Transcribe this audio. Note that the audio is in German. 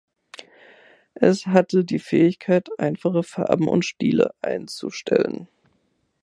Es hatte die Fähigkeit, einfache Farben und Stile einzustellen.